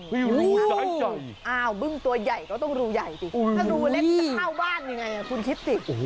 วิวสายใหญ่อ้าวบึ้งตัวใหญ่ก็ต้องรูใหญ่สิถ้ารูเล็กจะเข้าบ้านยังไงคุณคิดสิ